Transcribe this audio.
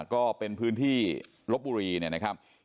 ก็เป็นพื้นที่ลบบุรีเนี่ยนะครับ